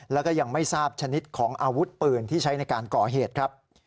แล้วก็ยังไม่ทราบชนิดของอาวุธปืนที่ใช้ในการก่อเหตุครับ